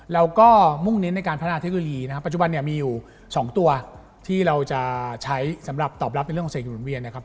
แล้วก็มุ่งนิ้นในการพัฒนาเทคโนโลยีปัจจุบันมีอยู่๒ตัวที่เราจะใช้สำหรับตอบรับในเรื่องของเศรษฐกิจหมุนเวียน